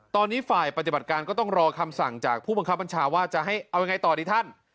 ตอนนี้ฝ่ายปฏิบัติการก็ต้องรอคำสั่งจากผู้บังคับบัญชาว่าจะให้เอายังไงต่อดีท่าน